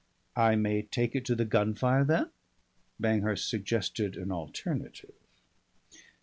"I may take it to the Gunfire then?" Banghurst suggested an alternative.